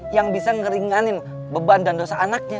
yang bisa ngeringanin beban dan dosa anaknya